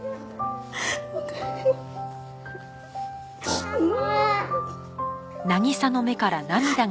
ママ。